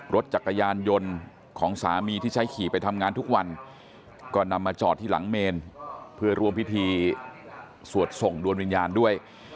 รถจักรยานยนต์ของสามีที่ใช้ขี่ไปทำงานทุกวันก็นำมาจอดที่หลังเมนเพื่อร่วมพิธีสวดส่งดวงวิญญาณด้วย